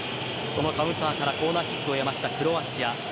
そのカウンターからコーナーキックを得たクロアチア。